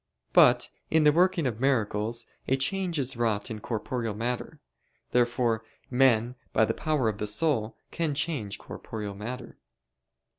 But in the working of miracles a change is wrought in corporeal matter. Therefore men, by the power of the soul, can change corporeal matter.